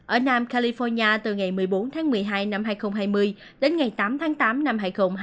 ở nam california từ ngày một mươi bốn tháng một mươi hai năm hai nghìn hai mươi đến ngày tám tháng tám năm hai nghìn hai mươi